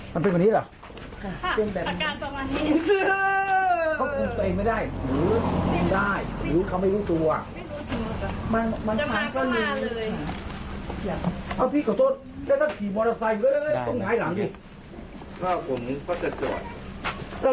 แม้นานทีหนึ่งซำพันกษาเพลียสี่แล้วอันนี้พี่สามมา